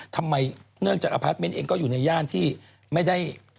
เนื่องจากอพาร์ทเมนต์เองก็อยู่ในย่านที่ไม่ได้